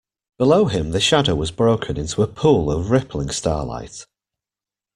Below him the shadow was broken into a pool of rippling starlight.